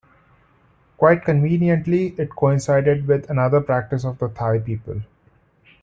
Quite conveniently, it coincided with another practice of the Thai people.